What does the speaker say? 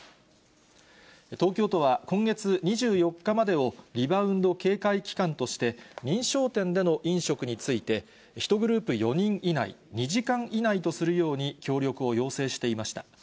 東京都は、今月２４日までをリバウンド警戒期間として認証店での飲食について、１グループ４人以内、２時間以内とするように協力を要請していました。